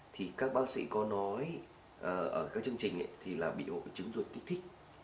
thì các bác sĩ có nói ở các chương trình ấy thì là bị hội chứng ruột kích thích